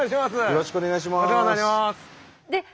よろしくお願いします。